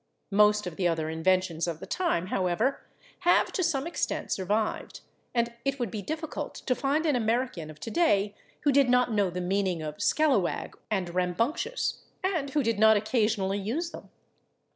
Most of the other inventions of the time, however, have to some extent survived, and it would be difficult to find an American of today who did not know the meaning of /scalawag/ and /rambunctious/ and who did not occasionally use them.